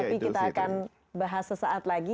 tapi kita akan bahas sesaat lagi